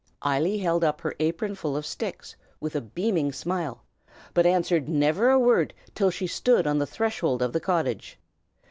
Eily held up her apronful of sticks with a beaming smile, but answered never a word till she stood on the threshold of the cottage.